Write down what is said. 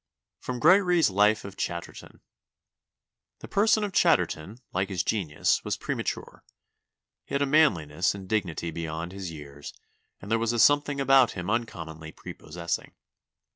[Sidenote: Gregory's Life of Chatterton. *] "The person of Chatterton, like his genius, was premature; he had a manliness and dignity beyond his years, and there was a something about him uncommonly prepossessing.